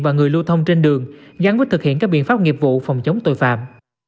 và người lưu thông trên đường gắn với thực hiện các biện pháp nghiệp vụ phòng chống tội phạm